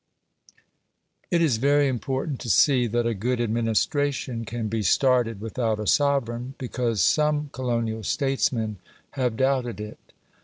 It is very important to see that a good administration can be started without a sovereign, because some colonial statesmen have doubted it.